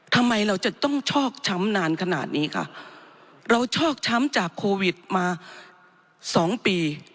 ทำไมเราจะต้องชอกช้ำนานขนาดนี้คะเราชอกช้ำจากโควิดมาสองปี